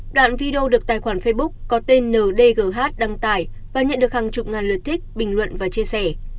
đoạn video được tài khoản facebook có tên ndg đăng tải và nhận được hàng chục ngàn lượt thích bình luận và chia sẻ